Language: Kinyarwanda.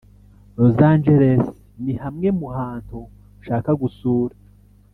los angeles ni hamwe mu hantu nshaka gusura.